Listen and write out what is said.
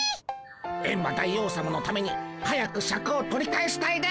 エンマ大王さまのために早くシャクを取り返したいでゴンス。